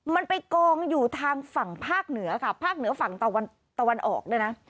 มันไปกองอยู่ทางฝั่งภาคเหนือฝั่งออก